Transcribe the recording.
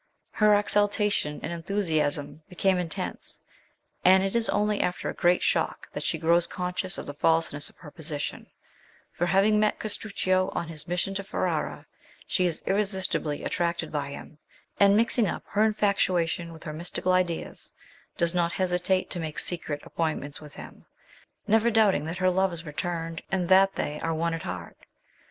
Her exultation and enthusiasm become intense, aud it is only after a great shock that she grows conscious of the falseness of her position ; for, having met Castruccio on his mission to Ferrara, she is irresistibly attracted by him, and, mixing up her infatuation with her mystical ideas, does not hesitate to make secret appointments with him, never doubting that her love is returned, and that they are one at heart.